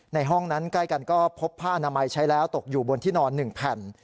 ในห้องนั้นใกล้กันก็พบผ้าอนามัยใช้แล้วตกอยู่บนที่นอน๑แผ่น